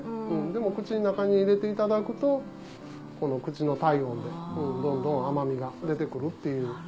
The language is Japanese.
でも口の中に入れていただくと口の体温でどんどん甘みが出てくるっていう。